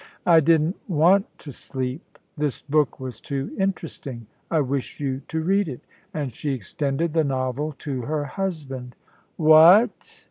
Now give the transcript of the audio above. "I didn't want to sleep. This book was too interesting. I wish you to read it"; and she extended the novel to her husband. "What!!!"